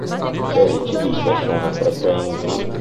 Le recidive sono frequenti.